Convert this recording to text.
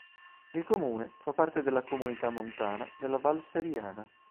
Il comune fa parte della Comunità Montana della Val Seriana.